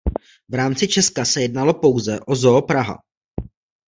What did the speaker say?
V rámci Česka se jednalo pouze o Zoo Praha.